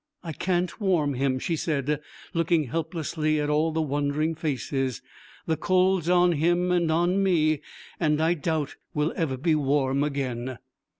'I can't warm him,' she said, looking helplessly at all the wondering faces. 'The cold's on him and on me, and I doubt we'll ever be warm again.'